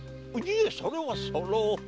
いえそれはその。